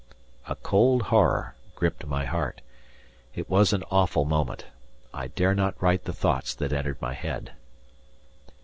A cold horror gripped my heart. It was an awful moment. I dare not write the thoughts that entered my head.